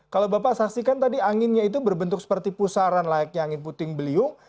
kalau bapak saksikan tadi anginnya itu berbentuk seperti pusaran layaknya angin puting beliung